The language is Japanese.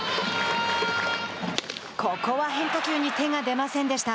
ここは変化球に手が出ませんでした。